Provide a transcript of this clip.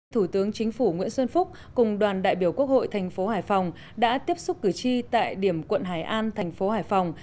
thủ tướng chính phủ nguyễn xuân phúc cùng đoàn đại biểu quốc hội thành phố hải phòng đã tiếp xúc cử tri tại điểm quận hải an thành phố hải phòng